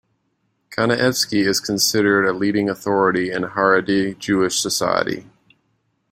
Kanievsky is considered a leading authority in Haredi Jewish society.